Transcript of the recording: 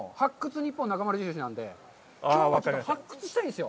ニッポンなかまる印なので、きょうはちょっと発掘したいんですよ。